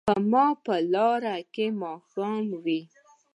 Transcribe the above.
په ما به لاره کې ماښام وي